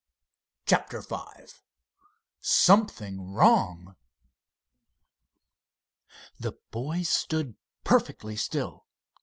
CHAPTER V SOMETHING WRONG The boys stood perfectly still.